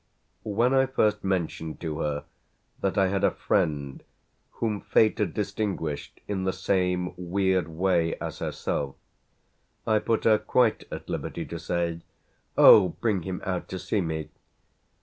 When I first mentioned to her that I had a friend whom fate had distinguished in the same weird way as herself I put her quite at liberty to say "Oh, bring him out to see me!"